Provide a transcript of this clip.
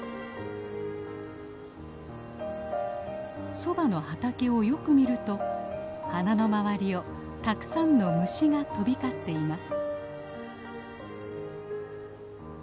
ソバの畑をよく見ると花の周りをたくさんの虫が飛び交っています。